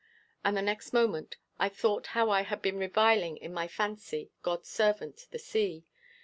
And the next moment I thought how I had been reviling in my fancy God's servant, the sea.